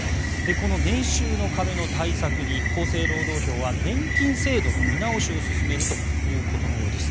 この年収の壁の対策に厚生労働省は年金制度の見直しを進めるということのようです。